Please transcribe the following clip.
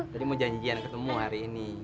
tadi mau janjian ketemu hari ini